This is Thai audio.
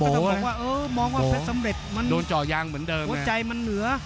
ก็จะบอกว่าเออมองว่าเพชรสำเร็จหัวใจมันเหนือ